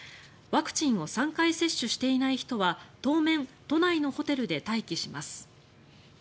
ワクチンを３回接種していない人は当面、都内のホテルで待機します。